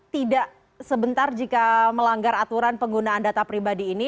tidak sebentar jika melanggar aturan penggunaan data pribadi ini